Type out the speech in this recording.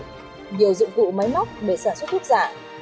nhiều dụng cụ máy móc để sản xuất thuốc giả